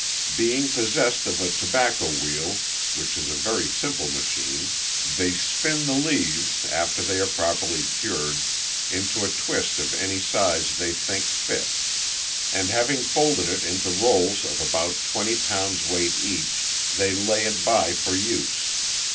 Being possessed of a tobacco wheel, which is a very simple machine, they spin the leaves, after they are properly cured, into a twist of any size they think fit, and having folded it into rolls of about twenty pounds weight each, they lay it by for use.